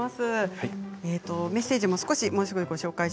メッセージです。